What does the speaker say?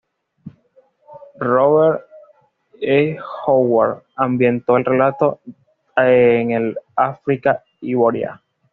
Robert E. Howard ambientó el relato en el África hiboria.